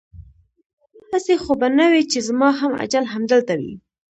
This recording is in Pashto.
هسې خو به نه وي چې زما هم اجل همدلته وي؟